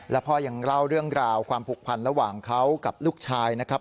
แล้วพ่อยังเล่าเรื่องราวความผูกพันระหว่างเขากับลูกชายนะครับ